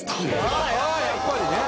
ああやっぱりね！